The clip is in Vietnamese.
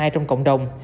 trong cộng đồng